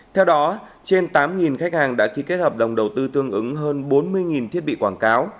theo đó trên tám khách hàng đã ký kết hợp đồng đầu tư tương ứng hơn bốn mươi thiết bị quảng cáo